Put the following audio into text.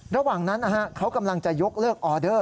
ระหว่างนั้นเขากำลังจะยกเลิกออเดอร์